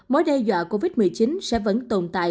mối đe dọa covid một mươi chín sẽ vẫn tồn tại